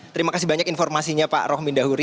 terima kasih banyak informasinya pak rohm indahuri